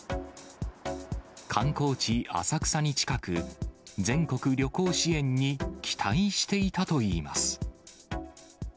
観光地、浅草に近く、全国旅行支援に期待していたといいます。